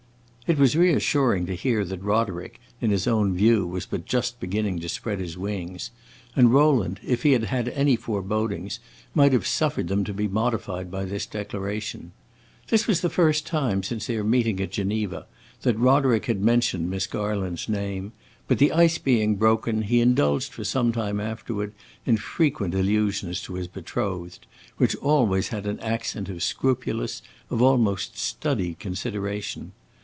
It was reassuring to hear that Roderick, in his own view, was but "just beginning" to spread his wings, and Rowland, if he had had any forebodings, might have suffered them to be modified by this declaration. This was the first time since their meeting at Geneva that Roderick had mentioned Miss Garland's name, but the ice being broken, he indulged for some time afterward in frequent allusions to his betrothed, which always had an accent of scrupulous, of almost studied, consideration.